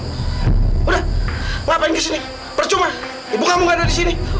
udah ngapain kesini percuma ibu kamu nggak ada disini